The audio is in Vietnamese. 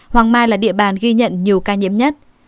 hoàng mai là địa bàn ghi nhận nhiều ca nhiễm nhất